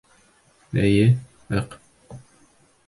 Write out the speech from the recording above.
Эйе... ыҡ!